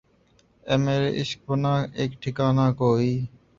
اے مرے عشق بنا ایک ٹھکانہ کوئی